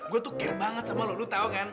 gue tuh care banget sama lo lo tau kan